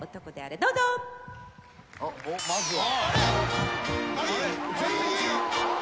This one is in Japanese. まずは。